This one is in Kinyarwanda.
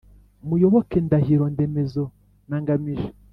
muyoboke, ndahiro, ndemezo na ngamije